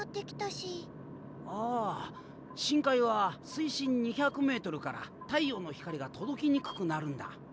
ああ深海は水深２００メートルから太陽の光が届きにくくなるんだ。